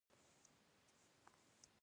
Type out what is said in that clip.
پلار مې سخت ناروغ شو د جملې بېلګه ده.